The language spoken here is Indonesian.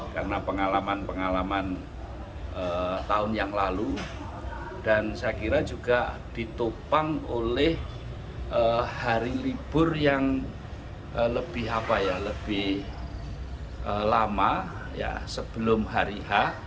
karena pengalaman pengalaman tahun yang lalu dan saya kira juga ditopang oleh hari libur yang lebih lama sebelum hari h